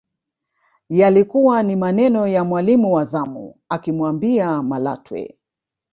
Yalikuwa ni maneno ya mwalimu wa zamu akimwambia Malatwe